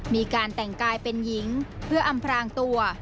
มีการแต่งกายเป็นหญิงเพื่ออำพรางตัว